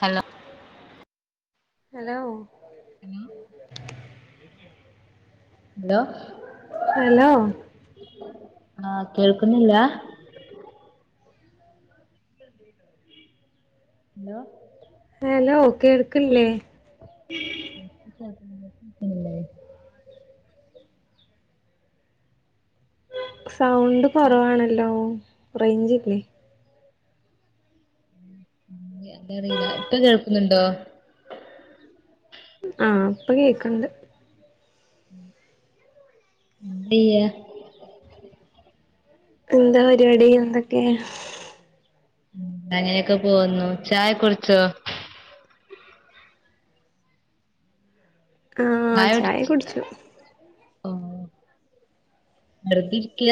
Hello hello hello hello hello ആഹ് കേൾക്കുന്നില്ല [inaudible] hello hello കേൾക്കില്ലേ [unintelligible] സൗണ്ട് കുറവാണല്ലോ റേഞ്ച്ല്ലേ എന്താ അറിയില്ല ഇപ്പ കേൾക്കുന്നുണ്ടോ ആഹ് അപ്പൊ കേക്ണ്ട് വയ്യെ എന്താ പരിപാടി എന്തൊക്കെ അങ്ങനെയൊക്കെ പോക്കുന്നു ചായ കുടിച്ചോ ആഹ് ചായ കുടിച് കുടിച്ചു ഓ വെറുതിരിക്ക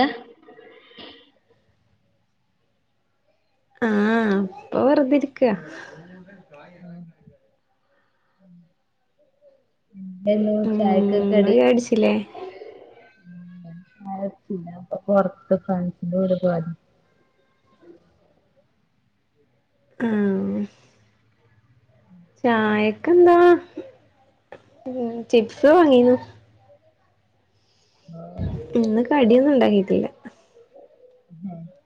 ആഹ് അപ്പൊ വെർതിര്ക്ക. ആഹ്. എന്തെനു ചായക്ക് ഉം കടി. അത് അടിച്ചില്ലേ ചായുട്ച്ചില്ല അപ്പൊ പൊർത്ത് ഫ്രണ്ട്സിന്റെ വീട് പോയ ഉ ആഹ്. ചായക്കെന്താ ചിപ്സ് വാങ്ങിന്നു. ആഹ്. ഇന്ന് കട്യൊന്നുണ്ടാക്കിയിട്ടില്ല. [inaudible]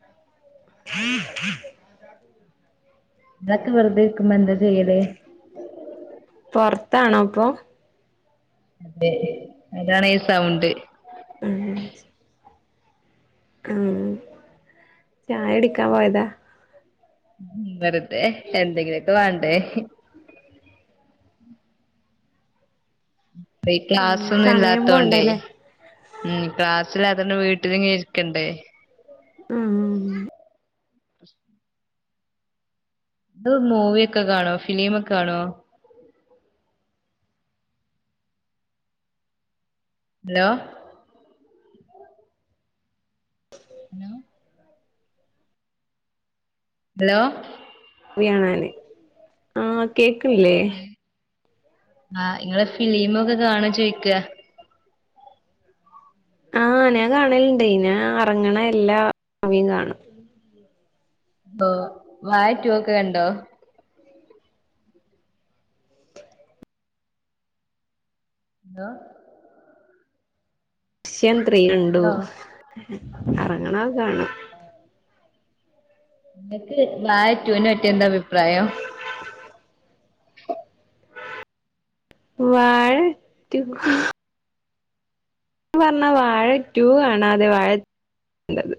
ഇങ്ങളൊക്കെ വെറുതെ ഇര്ക്കുമ്പൊ എന്താ ചെയ്യലേ. പൊർത്താണോപ്പൊ. അതെ അതാണ് ഈ സൗണ്ട്. ഉം ഉം. ഉം ചായടിക്കാൻ പോയതാ. വെർതെ എന്തെങ്കിലൊക്കെ വേണ്ടേ. പ്പയ് ഉം സമയം ക്ലാസ്സൊന്നുല്ലാത്തോണ്ടേ. പോണ്ടല്ലേ ഉം ക്ലാസ്സ്ല്ലാത്തോണ്ട് വീട്ടില്ങ്ങ ഇര്ക്കണ്ടേ. ഉം ഉം ഉം. ഇത് മൂവിയൊക്കെ കാണോ ഫിലിമൊക്കെ കാണോ. ഹലോ. ഹലോ. ഹലോ. വ്യണാന് ആഹ് കേക്കില്ലേ. ആഹ് ഇങ്ങള് ഫിലിമൊക്കെ കാണൊ ചോയ്ക്ക. ആഹ് ഞാൻ കാണല്ണ്ടെ ഞാൻ എർങ്ണ എല്ലാ മുവിം കാണും. പ്പൊ വായ റ്റു ഒക്കെ കണ്ടോ. എന്തോ. ശ്യം ത്രീ ഉണ്ടു ഹലോ എർങ്ണക കാണു. ഇങ്ങക്ക് വായ റ്റുനെ പറ്റി എന്താ അഭിപ്രായം. വാഴ റ്റു. പർഞ്ഞാ വാഴ റ്റു കാണാതെ വാഴ ണ്ടത്.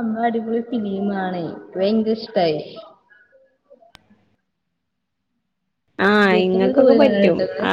നമ്മളടിപൊളി ഫിലീമാണെ ഭയങ്കരഷ്ടായി. ആഹ് തിയേറ്റർലൊക്കെ ഇങ്ങക്കൊക്കെ പോയി പറ്റും കാണല്ണ്ടൊങ്ങള്. ആ